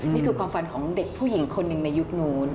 นี่คือความฝันของเด็กผู้หญิงคนหนึ่งในยุคนู้น